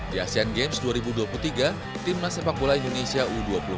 di asean games dua ribu dua puluh tiga tim nasepak gola indonesia u dua puluh empat